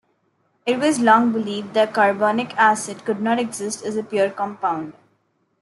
It was long believed that carbonic acid could not exist as a pure compound.